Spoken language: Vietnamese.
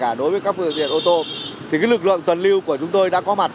và đối với các phương tiện ô tô thì lực lượng tuần lưu của chúng tôi đã có mặt